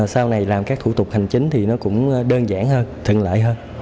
sau này làm các thủ tục hành chính thì nó cũng đơn giản hơn thận lợi hơn